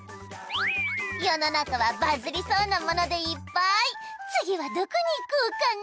世の中はバズりそうなものでいっぱい次はどこに行こうかな？